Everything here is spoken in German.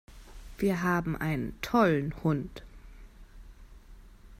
Wir haben einen tollen Hund!